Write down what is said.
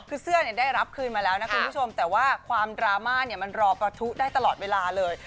คือเสื้อได้รับคืนมาแล้วนะคุณผู้ชมแต่ว่าความดราม่าเนี่ยมันรอประทุได้ตลอดเวลาเลย